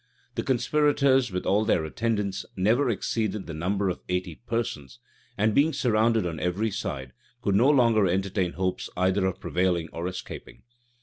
The conspirators, with all their attendants, never exceeded the number of eighty persons; and being surrounded on every side, could no longer entertain hopes either of prevailing or escaping.